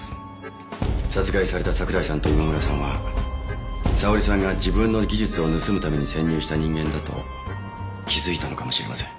殺害された桜井さんと今村さんは沙織さんが自分の技術を盗むために潜入した人間だと気づいたのかもしれません。